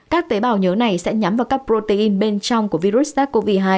các tế bào nhớ này sẽ nhắm vào các protein bên trong của virus sars cov hai